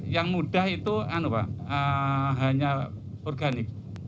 yang mudah itu hanya organik